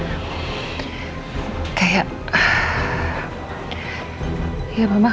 apa yang terlihat baik belum tentu baik